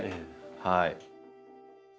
はい。